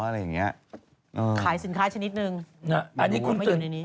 ขายสินค้าชนิดหนึ่ง